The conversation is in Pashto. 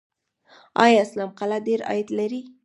آیا اسلام قلعه ډیر عاید لري؟